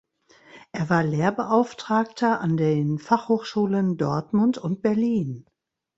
Er war Lehrbeauftragter an den Fachhochschulen Dortmund und Berlin.